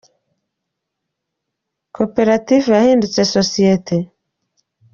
Koperative yahindutse sosiyeti